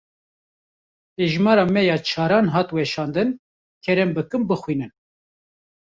Hejmara me ya çaran hat weşandin. Kerem bikin bixwînin.